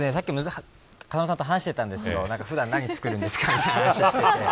さっき話してたんですけど普段何作るんですかみたいな話をしていて。